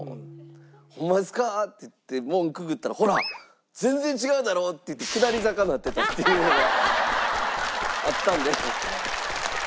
「ホンマですか！？」って言って門くぐったら「ほら！全然違うだろ？」って言って下り坂になってたっていうのがあったんで。